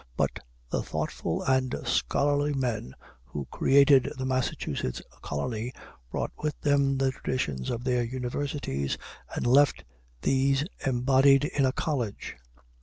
But the thoughtful and scholarly men who created the Massachusetts Colony brought with them the traditions of their universities, and left these embodied in a college.